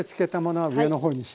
はい。